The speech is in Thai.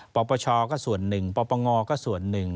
ปปชก็ส่วนหนึ่งปปงก็ส่วนหนึ่ง